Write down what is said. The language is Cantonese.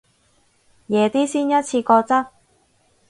夜啲先一次過執